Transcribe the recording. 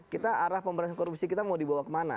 kita arah pemberantasan korupsi kita mau dibawa kemana